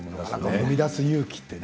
踏み出す勇気ってね。